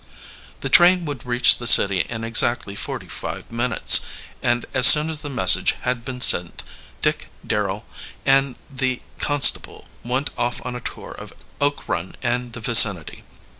The train would reach the city in exactly forty five minutes; and as soon as the message had been sent, Dick, Darrel, and the constable went off on a tour of Oak Run and the vicinity.